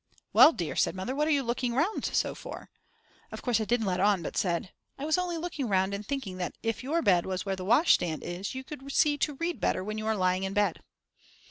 Well dear, said Mother, what are you looking round so for? Of course I didn't let on, but said: I was only looking round and thinking that if your bed was where the washstand is you could see to read better when you are lying in bed.